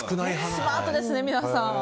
スマートですね、皆さん。